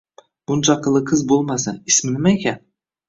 Buncha aqlli qiz bo`lmasa, ismi nima ekan